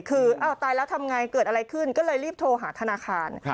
คืออ้าวตายแล้วทำไงเกิดอะไรขึ้นก็เลยรีบโทรหาธนาคาร